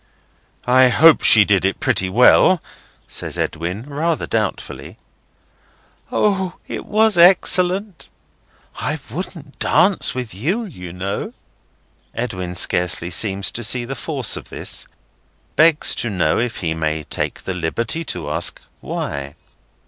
"I hope she did it pretty well," says Edwin rather doubtfully. "O, it was excellent!—I wouldn't dance with you, you know." Edwin scarcely seems to see the force of this; begs to know if he may take the liberty to ask why?